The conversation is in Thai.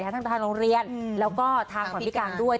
ทางโรงเรียนแล้วก็ทางฝั่งพิการด้วย